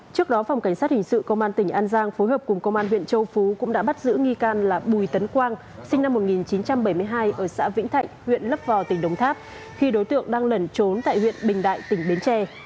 trước đó phòng cảnh sát hình sự công an tỉnh an giang phối hợp cùng công an huyện châu phú cũng đã bắt giữ nghi can là bùi tấn quang sinh năm một nghìn chín trăm bảy mươi hai ở xã vĩnh thạnh huyện lấp vò tỉnh đồng tháp khi đối tượng đang lẩn trốn tại huyện bình đại tỉnh bến tre